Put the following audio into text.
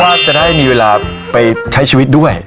ว่าจะได้มีเวลาไปใช้ชีวิตด้วย